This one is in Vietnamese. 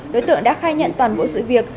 đối tượng đã khai nhận toàn bộ sự việc